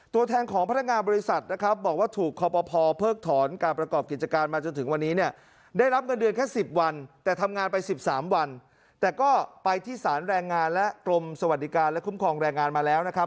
แต่ก็ไปที่สารแรงงานและกรมสวัสดิการและคุ้มครองแรงงานมาแล้วนะครับ